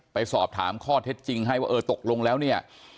ไปสอบถามข้อเท็จจริงให้ว่าเออตกลงแล้วเนี่ย